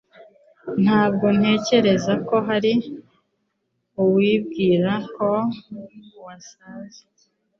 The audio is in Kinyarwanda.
Ntabwo ntekereza ko hari uwibwira ko wasaze.